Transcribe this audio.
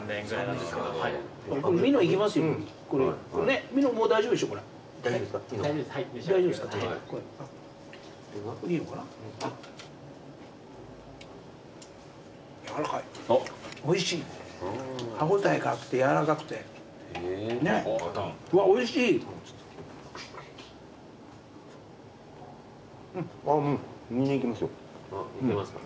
いけますか。